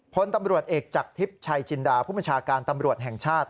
พลตำรวจเอกจากทิพย์ชัยจินดาผู้บัญชาการตำรวจแห่งชาติ